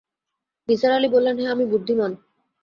নিসার আলি বললেন, হ্যাঁ, আমি বুদ্ধিমান।